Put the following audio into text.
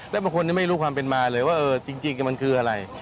แล้วบางคนยังไม่รู้ความเป็นมาเลยว่าจริงมันคืออะไร